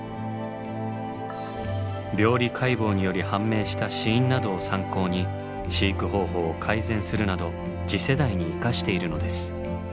病理解剖により判明した死因などを参考に飼育方法を改善するなど次世代に生かしているのです。